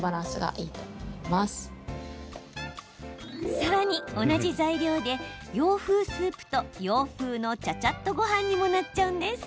さらに、同じ材料で洋風スープと洋風のチャチャッとごはんにもなっちゃうんです。